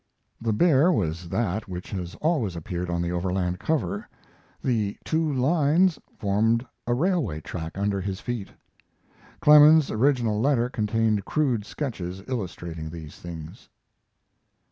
[The "bear" was that which has always appeared on the Overland cover; the "two lines" formed a railway track under his feet. Clemens's original letter contained crude sketches illustrating these things.